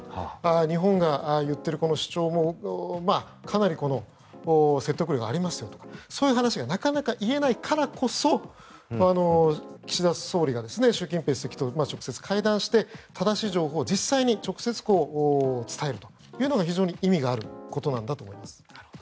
日本が言っている主張もかなり説得力がありますよとかそういう話がなかなか言えないからこそ岸田総理が習近平主席と直接会談して正しい情報を実際に直接伝えるというのが非常に意味があることなんだと思います。